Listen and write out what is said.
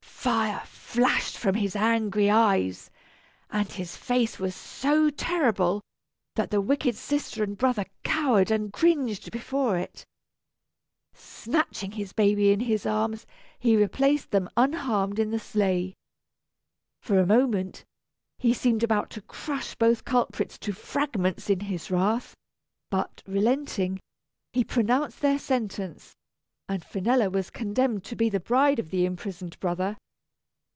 Fire flashed from his angry eyes, and his face was so terrible that the wicked sister and brother cowered and cringed before it. Snatching his babies in his arms, he replaced them unharmed in the sleigh. For a moment, he seemed about to crush both culprits to fragments in his wrath; but, relenting, he pronounced their sentence and Finella was condemned to be the bride of the imprisoned brother.